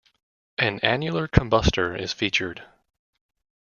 An annular combustor is featured.